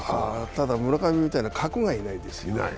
ただ村上みたいな核がいないですよ。